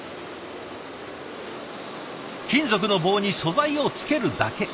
金属の棒に素材をつけるだけ。